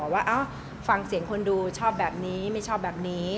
ว่าฟังเสียงคนดูชอบแบบนี้ไม่ชอบแบบนี้